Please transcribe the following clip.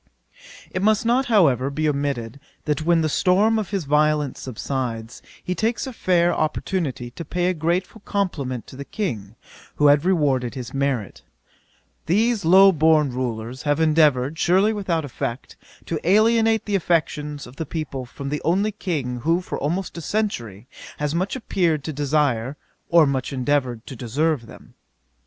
It must not, however, be omitted, that when the storm of his violence subsides, he takes a fair opportunity to pay a grateful compliment to the King, who had rewarded his merit: 'These low born rulers have endeavoured, surely without effect, to alienate the affections of the people from the only King who for almost a century has much appeared to desire, or much endeavoured to deserve them.'